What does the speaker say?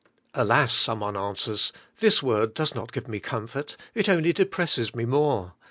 Alas! some one answers, this word does not give me comfort, it only depresses me more.